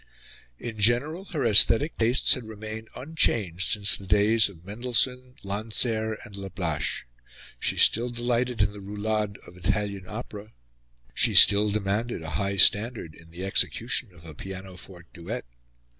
In general, her aesthetic tastes had remained unchanged since the days of Mendelssohn, Landseer, and Lablache. She still delighted in the roulades of Italian opera; she still demanded a high standard in the execution of a pianoforte duet.